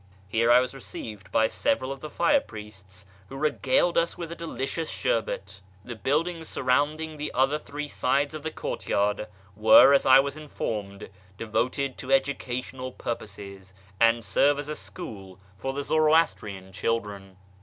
Here I vas received by several of the fire priests, who regaled us with , delicious sherbet. The buildings surrounding the other three ides of the courtyard were, as I was informed, devoted to ducational purposes, and serve as a school for the Zoroastrian liildren.